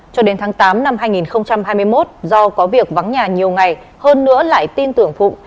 cho đến tháng tám năm hai nghìn hai mươi một do có việc vắng nhà nhiều ngày hơn nữa lại tin tưởng phụng